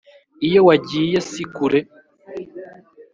Iyo wagiye si kure